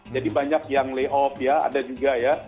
jadi banyak yang lay off ya ada juga ya